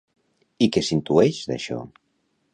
I què s'intueix, d'això?